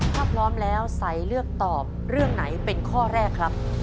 ถ้าพร้อมแล้วใสเลือกตอบเรื่องไหนเป็นข้อแรกครับ